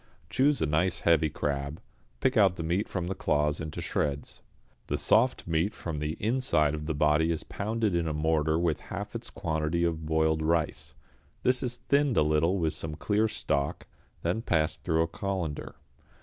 Choose a nice heavy crab, pick out the meat from the claws into shreds. The soft meat from the inside of the body is pounded in a mortar with half its quantity of boiled rice; this is thinned a little with some clear stock, then passed through a colander.